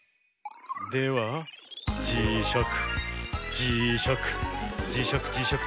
ではじしゃくじしゃくじしゃくじしゃく